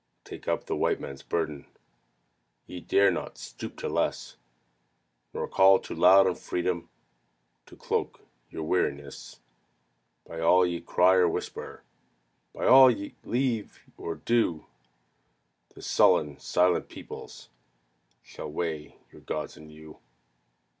Take up the White Man's burden Ye dare not stoop to less Nor call too loud on Freedom To cloak your weariness; By all ye cry or whisper, By all ye leave or do, The silent, sullen peoples Shall weigh your Gods and you.